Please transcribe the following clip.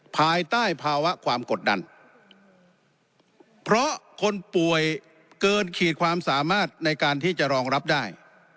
ภายใต้ภาวะความกดดันเพราะคนป่วยเกินขีดความสามารถในการที่จะรองรับได้